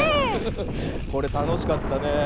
これたのしかったねえ。